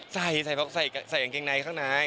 ใส่ตั้งเองในข้างใน